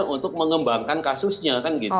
untuk mengembangkan kasusnya